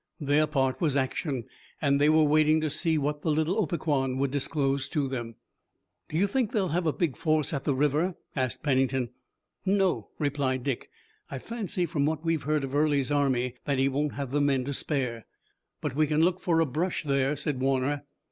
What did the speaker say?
Their part was action, and they were waiting to see what the little Opequan would disclose to them. "Do you think they'll have a big force at the river?" asked Pennington. "No," replied Dick. "I fancy from what we've heard of Early's army that he won't have the men to spare." "But we can look for a brush there," said Warner.